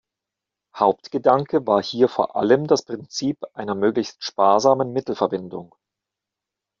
Hauptgedanke war hier vor allem das Prinzip einer möglichst sparsamen Mittelverwendung.